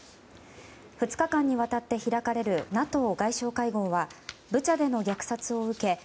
２日間にわたって開かれるＮＡＴＯ外相会合はブチャでの虐殺を受け